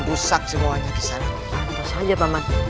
dusak semuanya kisah anak